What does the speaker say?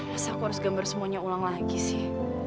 masa aku harus gambar semuanya ulang lagi sih